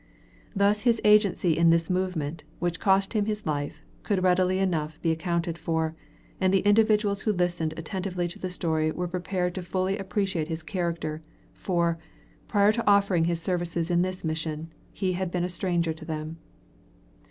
Thus his agency in this movement, which cost him his life, could readily enough be accounted for, and the individuals who listened attentively to the story were prepared to fully appreciate his character, for, prior to offering his services in this mission, he had been a stranger to them.